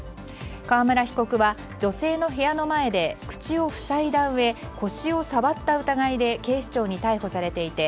川村被告は女性の部屋の前で口を塞いだうえ腰を触った疑いで警視庁に逮捕されていて